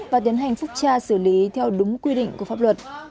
và tiến hành phúc tra xử lý theo đúng quy định của pháp luật